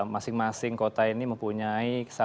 masing masing kota ini mempunyai sapi korban dari pak rizwan